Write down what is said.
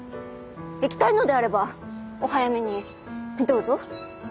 行きたいのであればお早めにどうぞ。